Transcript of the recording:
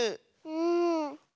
うん。